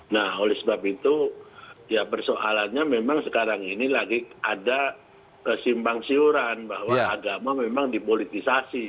nah oleh sebab itu ya persoalannya memang sekarang ini lagi ada kesimpang siuran bahwa agama memang dipolitisasi